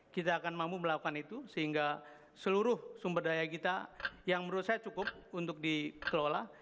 kita akan mampu melakukan itu sehingga seluruh sumber daya kita yang menurut saya cukup untuk dikelola